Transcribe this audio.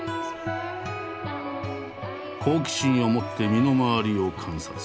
好奇心を持って身の回りを観察。